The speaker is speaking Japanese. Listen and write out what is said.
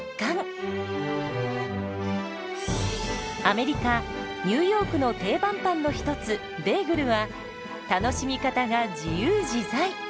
アメリカ・ニューヨークの定番パンの一つベーグルは楽しみ方が自由自在！